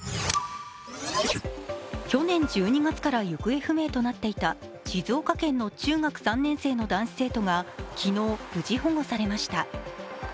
去年１２月から行方不明となっていた静岡県の中学３年生の男子生徒が昨日、無事保護されました。